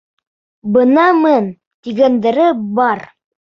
Бынамын тигәндәре бар!